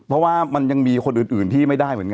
เพราะว่ามันยังมีคนอื่นที่ไม่ได้เหมือนกัน